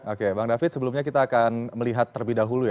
oke bang david sebelumnya kita akan melihat terlebih dahulu ya